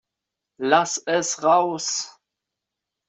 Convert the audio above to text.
Lass es raus!